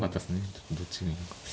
ちょっとどっちなのか。